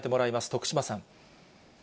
徳島さん。